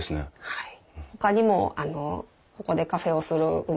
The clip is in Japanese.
はい。